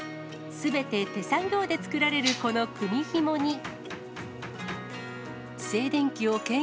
すべて手作業で作られるこの組ひもに。